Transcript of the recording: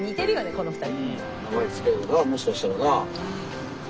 この２人。